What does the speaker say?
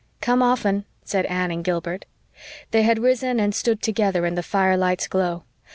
"Come often," said Anne and Gilbert. They had risen and stood together in the firelight's glow.